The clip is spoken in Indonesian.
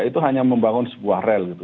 itu hanya membangun sebuah rel gitu